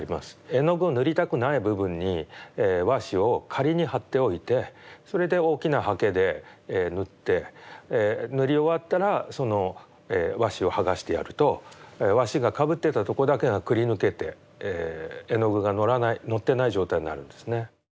絵の具を塗りたくない部分に和紙を仮に貼っておいてそれで大きなはけで塗って塗り終わったらその和紙を剥がしてやると和紙がかぶってたとこだけがくりぬけて絵の具がのらないのってない状態になるんですね。